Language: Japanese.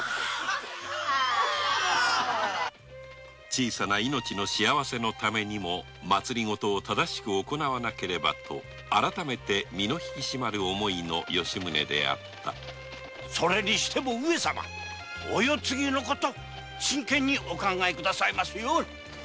小さな命の幸せのためにも政治を正しく行なわなければと改めて身の引き締まる思いの吉宗であった上様お世継ぎの事真剣にお考え下さいますように。